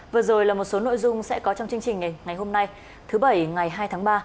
vừa rồi là một số nội dung sẽ có trong chương trình ngày hôm nay thứ bảy ngày hai tháng ba